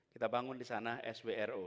kita bangun disana swro